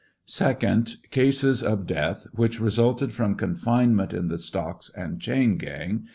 Second. Oases of death which resulted from confinement in the stocks and chain gang.